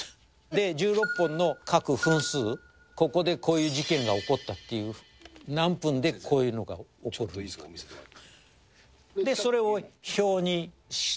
１６本の各分数、ここでこういう事件が起こったっていう、何分でこういうのが起こったって。